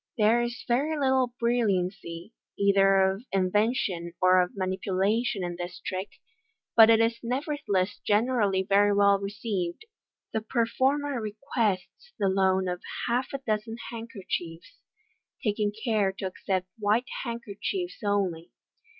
— There is very little bulliancy, either of invention or of manipulation, in this trick, but it is nevertheless generally very well received. The performer requests the loan of half a dozen handkerchiefs, taking care to accept white handkerchiefs only.